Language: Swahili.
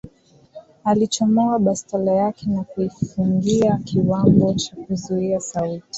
Alichomoa bastola yake na kuifungia kiwambo cha kuzuia sauti